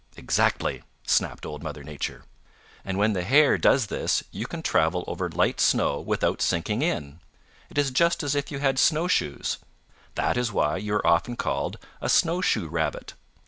"Exactly," snapped Old Mother Nature. "And when the hair does this you can travel over light snow without sinking in. It is just as if you had snowshoes. That is why you are often called a Snowshoe Rabbit.